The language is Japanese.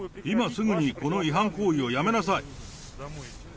今すぐにこの違反行為をやめなさい。